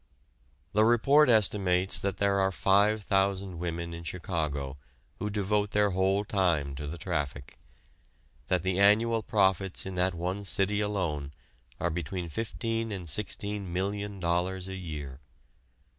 The report estimates that there are five thousand women in Chicago who devote their whole time to the traffic; that the annual profits in that one city alone are between fifteen and sixteen million dollars a year.